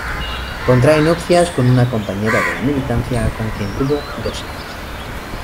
Contrae nupcias con una compañera de la militancia, con quien tuvo dos hijos.